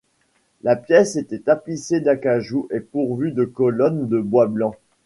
La pièce était tapissée d'acajou et pourvue de colonnes de bois blanc.